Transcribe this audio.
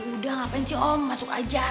udah ngapain sih om masuk aja